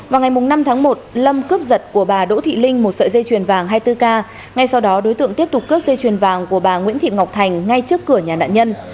vào ngày năm tháng một lâm cướp giật của bà đỗ thị linh một sợi dây chuyền vàng hai mươi bốn k ngay sau đó đối tượng tiếp tục cướp dây chuyền vàng của bà nguyễn thị ngọc thành ngay trước cửa nhà nạn nhân